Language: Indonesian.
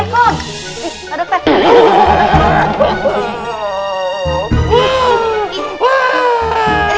ini apa dokter